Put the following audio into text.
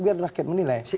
biar rakyat menilai